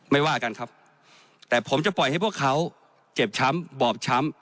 ว่ากันครับแต่ผมจะปล่อยให้พวกเขาเจ็บช้ำบอบช้ำ